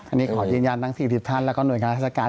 อันนี้ขอยืนยันทั้ง๔๐ท่านแล้วก็หน่วยงานราชการ